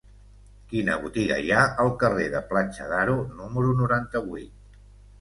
Quina botiga hi ha al carrer de Platja d'Aro número noranta-vuit?